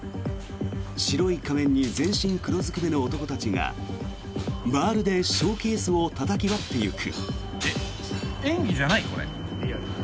白い仮面に全身黒ずくめの男たちがバールでショーケースをたたき割っていく。